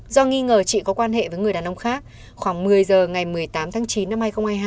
do nghi ngờ chị có quan hệ với người đàn ông khác khoảng một mươi giờ ngày một mươi tám tháng chín năm hai nghìn hai mươi hai